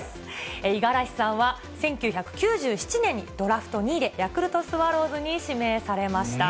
五十嵐さんは、１９９７年にドラフト２位でヤクルトスワローズに指名されました。